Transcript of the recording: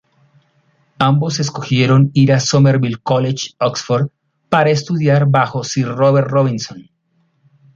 Ambos escogieron ir a Somerville College, Oxford, para estudiar bajo Sir Robert Robinson.